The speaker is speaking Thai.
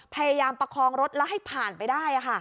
พยายามประคองรถแล้วให้ผ่านไปได้